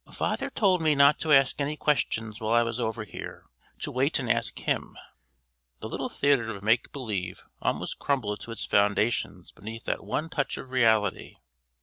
"Father told me not to ask any questions while I was over here: to wait and ask him." The little theatre of make believe almost crumbled to its foundations beneath that one touch of reality!